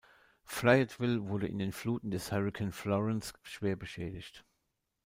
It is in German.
Fayetteville wurde in den Fluten des Hurricane Florence schwer beschädigt.